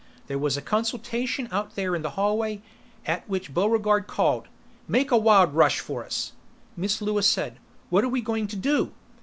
There was a consultation out there in the hallway, at which Buregarde called, "Make a wild rush for us!" Miss Lewis said, "What are we going to do?"